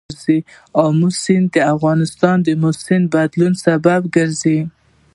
آمو سیند د افغانستان د موسم د بدلون سبب کېږي.